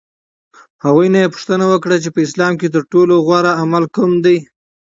هغوی نه یې پوښتنه وکړه چې په اسلام کې ترټولو غوره عمل کوم دی؟